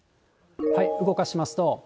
動かしますと。